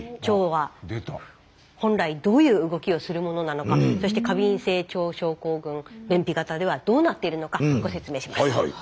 腸は本来どういう動きをするものなのかそして過敏性腸症候群便秘型ではどうなっているのかご説明します。